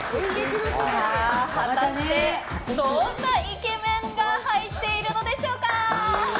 果たして、どんなイケメンが入っているのでしょうか。